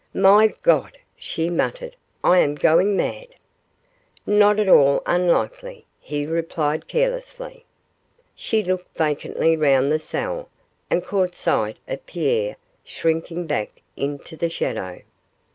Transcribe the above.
'My God!' she muttered, 'I am going mad.' 'Not at all unlikely,' he replied, carelessly. She looked vacantly round the cell, and caught sight of Pierre shrinking back into the shadow.